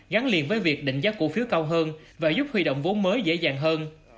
gắn liền với việc định giá cổ phiếu cao hơn và giúp huy động vốn mới dễ dàng hơn